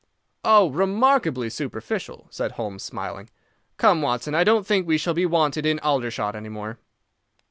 "Oh, remarkably superficial," said Holmes, smiling. "Come, Watson, I don't think we shall be wanted in Aldershot any more."